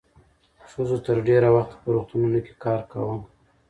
ښځو تر ډېره وخته په روغتونونو کې کار کاوه.